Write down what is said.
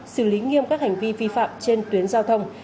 xử lý nghiêm các hành vi vi phạm trên tuyến giao thông